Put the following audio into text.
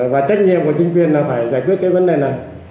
và trách nhiệm của chính quyền là phải giải quyết cái vấn đề này